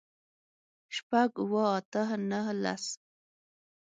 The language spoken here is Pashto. شپږ، اووه، اته، نهه، لس